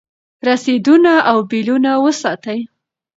رسیدونه او بیلونه وساتئ.